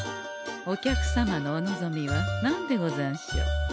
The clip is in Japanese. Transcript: お客様のお望みは何でござんしょう？